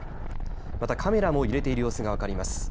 またカメラも揺れている様子が分かります。